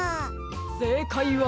せいかいは。